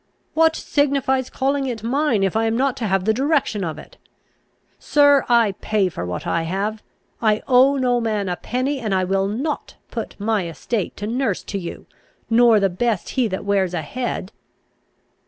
What signifies calling it mine, if I am not to have the direction of it? Sir, I pay for what I have: I owe no man a penny; and I will not put my estate to nurse to you, nor the best he that wears a head."